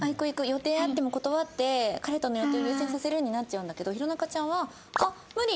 予定あっても断って彼との予定を優先させるになっちゃうんだけど弘中ちゃんは「あっ無理。